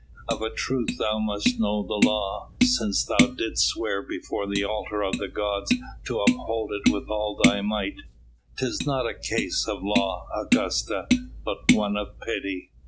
Of a truth thou must know the law, since thou didst swear before the altar of the gods to uphold it with all thy might." "'Tis not a case of law, Augusta, but one of pity."